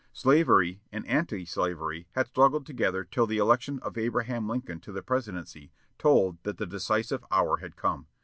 Slavery and anti slavery had struggled together till the election of Abraham Lincoln to the presidency told that the decisive hour had come.